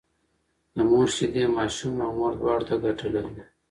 د مور شيدې ماشوم او مور دواړو ته ګټه لري